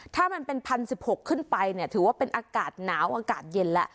ถ้ามันเป็น๑๐๑๖ขึ้นไปเนี่ยถือว่าเป็นอากาศหนาวอากาศเย็นแล้ว